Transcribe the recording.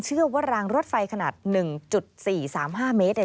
เชื่อว่ารางรถไฟขนาด๑๔๓๕เมตร